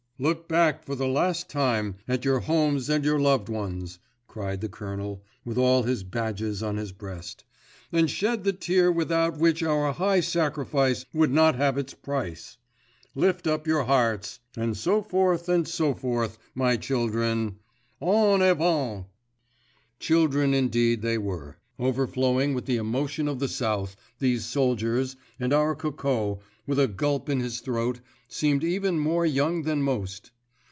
"Look back for the last time at your homes and your loved ones," cried the colonel, with all his badges on his breast, "and shed the tear without which our high sacrifice would not have its price. Lift up your hearts, and so forth, and so forth, my children—en avant!" Children indeed they were, overflowing with the emotion of the south, these soldiers, and our Coco, with a gulp in his throat, seemed even more young than most.